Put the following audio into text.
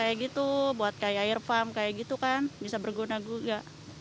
ya bisa buat air minum air pump bisa berguna juga